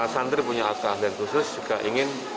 santri punya keahlian khusus jika ingin